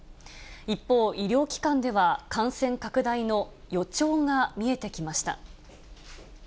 一方、医療機関では、感染拡大の予兆が見えてきました。